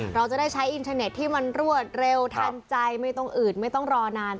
เราจะได้ใช้อินเทอร์เน็ตที่มันรวดเร็วทันใจไม่ต้องอืดไม่ต้องรอนาน